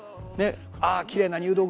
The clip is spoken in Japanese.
ああきれいな入道雲だな。